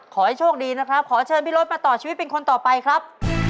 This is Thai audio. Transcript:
ขอให้โชคดีนะครับขอเชิญพี่รถมาต่อชีวิตเป็นคนต่อไปครับ